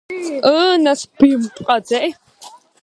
Ыы нас бимпҟаӡеи?